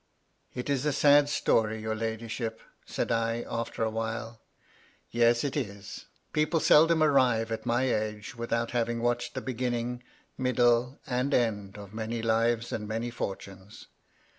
" It is a sad story, your ladyship," said I, after a while. " Yes it is. People seldom arrive at my age with MY LADY LUDLOW. 199 out having watched the beginning, middle^ and end of many lives and many fortunes.